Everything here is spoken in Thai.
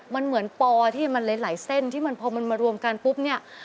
มันเหมือนปอที่มันหลายเส้นที่มันพอมันมารวมกันปุ๊บเนี่ย